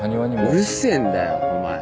うるせえんだよお前。